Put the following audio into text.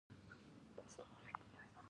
دا پنځه اساسي مولفې ګڼل کیږي.